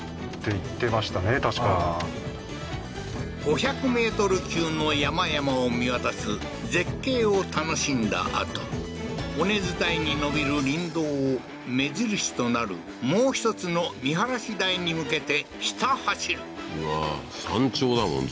結局神社通過だ５００ｍ級の山々を見渡す絶景を楽しんだあと尾根伝いに伸びる林道を目印となるもう１つの見晴らし台に向けてひた走るうわ山頂だもん